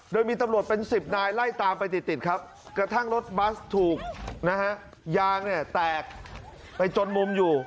โดยมีตำรวจเป็น๑๐นายไล่ตามไปติดครับกระทั่งรถบัสถูกนะฮะยางเนี่ยแตกไปจนมุมอยู่